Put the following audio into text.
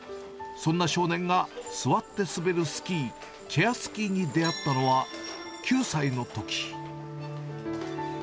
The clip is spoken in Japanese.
そんな少年が座って滑るスキー、チェアスキーに出会ったのは、９歳のとき。